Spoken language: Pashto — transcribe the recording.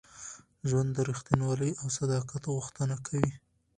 ژوند د رښتینولۍ او صداقت غوښتنه کوي.